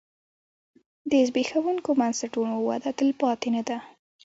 د زبېښونکو بنسټونو وده تلپاتې نه ده.